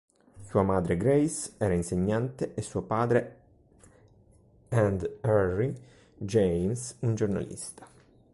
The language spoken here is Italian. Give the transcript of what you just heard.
Sua madre Grace era insegnante e suo padre and Harry James un giornalista.